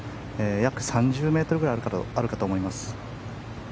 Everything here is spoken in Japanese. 約３０ｍぐらいあるかと思います。